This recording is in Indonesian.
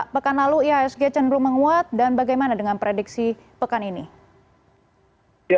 pekan lalu ihsg cenderung menguat dan bagaimana dengan prediksi pekan ini